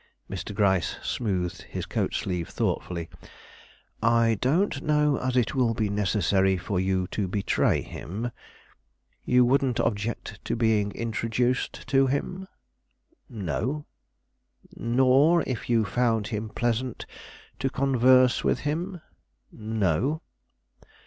Mr. Gryce smoothed his coat sleeve thoughtfully. "I don't know as it will be necessary for you to betray him. You wouldn't object to being introduced to him?" "No." "Nor, if you found him pleasant, to converse with him?" "No."